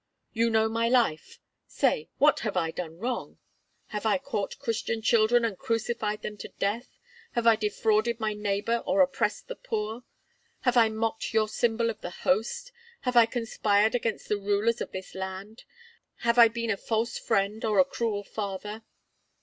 You know my life: say, what have I done wrong? Have I caught Christian children and crucified them to death? Have I defrauded my neighbour or oppressed the poor? Have I mocked your symbol of the Host? Have I conspired against the rulers of this land? Have I been a false friend or a cruel father?